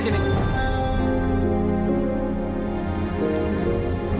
kamu ngapain lagi disini